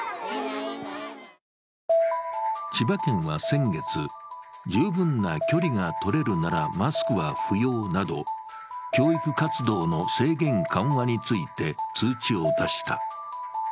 千葉県は先月、十分な距離が取れるならマスクは不要など、教育活動の制限緩和について通知を出した。